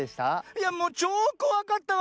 いやもうちょうこわかったわ！